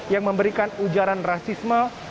yang memberikan ujaran rasisme